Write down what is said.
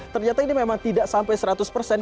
ternyata ini memang tidak sampai seratus persen